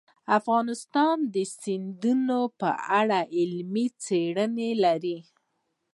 افغانستان د سیندونه په اړه علمي څېړنې لري.